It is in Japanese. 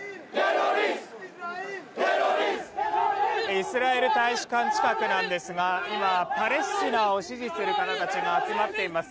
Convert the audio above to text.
イスラエル大使館近くなんですが今、パレスチナを支持する方たちが集まっています。